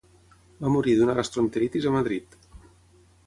Va morir d'una gastroenteritis a Madrid.